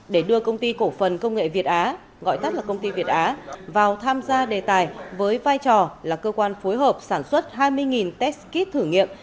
để đưa công ty cổ phần công nghệ việt á gọi tắt là công ty việt á vào tham gia đề tài với vai trò là cơ quan phối hợp sản xuất hai mươi test kit thử nghiệm